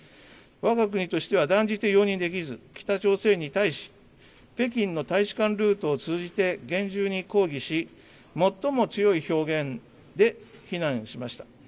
わが国としては断じて容認できず、北朝鮮に対し、北京の大使館ルートを通じて、厳重に抗議し、最も強い表現で非難しました。